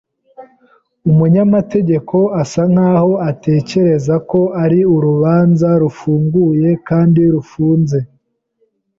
Umunyamategeko asa nkaho atekereza ko ari urubanza rufunguye kandi rufunze.